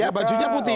ya bajunya putih